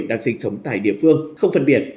đang sinh sống tại địa phương không phân biệt